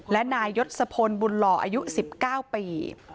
และนายยศพลบุญหล่ออายุ๑๙ปี